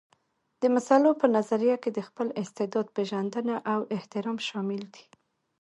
د مسلو په نظريه کې د خپل استعداد پېژندنه او احترام شامل دي.